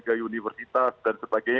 ke universitas dan sebagainya